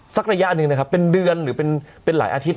ระยะหนึ่งนะครับเป็นเดือนหรือเป็นหลายอาทิตย